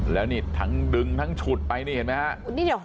แล้วนี่ทั้งดึงทั้งฉุดไปนี่เห็นไหมฮะ